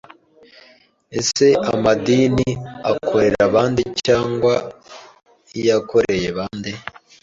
ese amadini akorera bande cg yakoreye bande ,